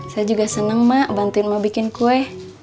saya juga seneng emak bantuin emak bikin kue